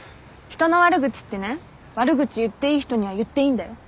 人の悪口ってね悪口言っていい人には言っていいんだよ。